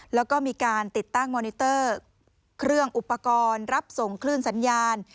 แล้วก็มีการติดตั้งมอนิเตอร์เครื่องอุปกรณ์รับส่งคลื่นสัญญาณ